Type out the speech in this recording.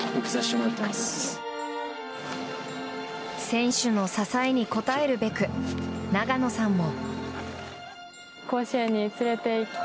選手の支えに応えるべく永野さんも。